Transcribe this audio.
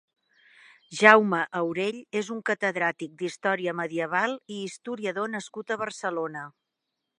Jaume Aurell és un catedràtic d'Història Medieval i historiador nascut a Barcelona.